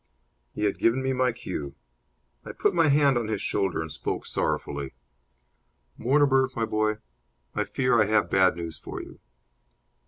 He had given me my cue. I put my hand on his shoulder and spoke sorrowfully. "Mortimer, my boy, I fear I have bad news for you."